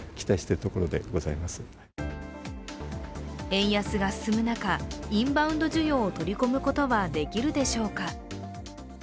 円安が進む中、インバウンド需要を取り込むことはできるでしょうか。